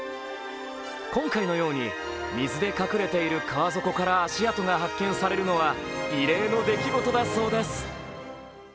今回のように水で隠れている川底から足跡が発見されるのは異例の出来事だそうです。